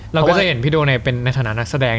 เราก็จะเห็นพี่โดเป็นในฐานะนักแสดง